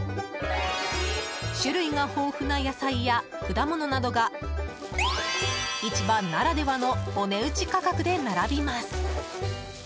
種類が豊富な野菜や果物などが市場ならではのお値打ち価格で並びます。